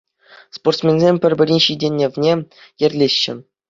Спортсменсем пӗр-пӗрин ҫитӗнӗвне йӗрлеҫҫӗ.